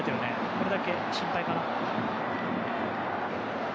それだけ心配かな。